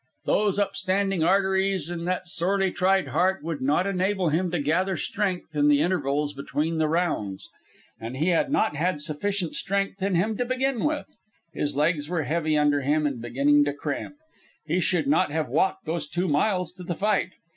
Those upstanding arteries and that sorely tried heart would not enable him to gather strength in the intervals between the rounds. And he had not had sufficient strength in him to begin with. His legs were heavy under him and beginning to cramp. He should not have walked those two miles to the fight.